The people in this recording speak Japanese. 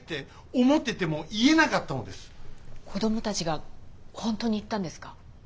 子供たちが本当に言ったんですか？